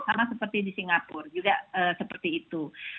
sama seperti di singapura juga seperti itu